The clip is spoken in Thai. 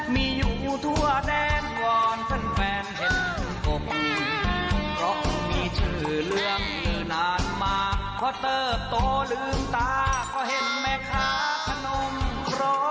ม้านมากเขาเติบโตลืมตาเขาเห็นแม่คะขนมคร็อก